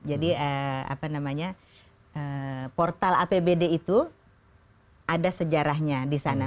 jadi portal apbd itu ada sejarahnya di sana